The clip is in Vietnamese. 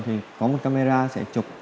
thì có một camera sẽ chụp